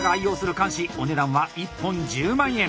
お値段は１本１０万円。